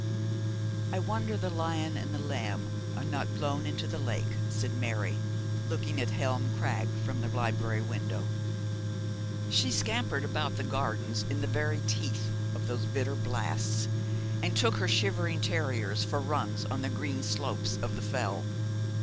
'I wonder the lion and the lamb are not blown into the lake,' said Mary, looking at Helm Crag from the library window. She scampered about the gardens in the very teeth of those bitter blasts, and took her shivering terriers for runs on the green slopes of the Fell.